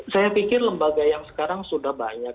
saya pikir lembaga yang sekarang sudah banyak